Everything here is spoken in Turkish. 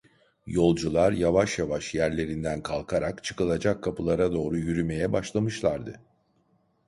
Yolcular yavaş yavaş yerlerinden kalkarak çıkılacak kapılara doğru yürümeye başlamışlardı.